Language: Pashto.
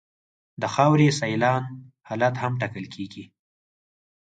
د خاورې سیلان حالت هم ټاکل کیږي